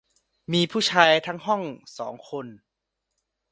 มีผู้ชายทั้งห้องสองคน